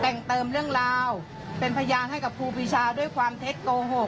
แต่งเติมเรื่องราวเป็นพยานให้กับครูปีชาด้วยความเท็จโกหก